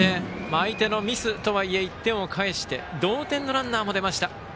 相手のミスとはいえ１点を返して同点のランナーも出ました。